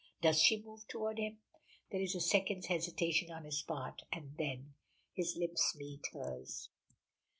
Does she move toward him? There is a second's hesitation on his part, and then, his lips meet hers!